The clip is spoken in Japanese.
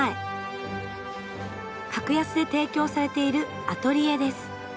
格安で提供されているアトリエです。